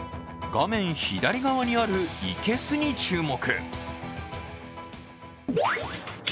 画面左側にある生けすに注目。